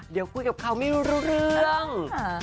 เดี๋ยวคุยกับเขาไม่รู้เรื่อง